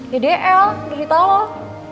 ya deh el beritahulah